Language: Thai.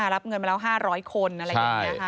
๑๐๕๐๐รับเงินมาแล้ว๕๐๐คนอะไรแบบนี้ค่ะ